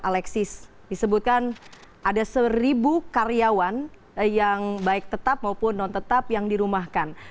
alexis disebutkan ada seribu karyawan yang baik tetap maupun non tetap yang dirumahkan